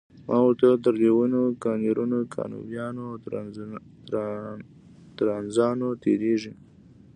ما ورته وویل تر لویینو، کانیرو، کانوبایو او ترانزانو تیریږئ.